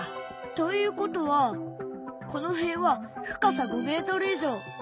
ということはこの辺は深さ５メートル以上。